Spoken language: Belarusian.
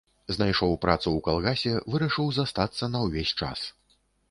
Знайшоў працу ў калгасе, вырашыў застацца на ўвесь час.